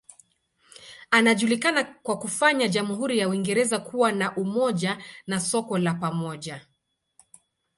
Anajulikana kwa kufanya jamhuri ya Uingereza kuwa na umoja na soko la pamoja.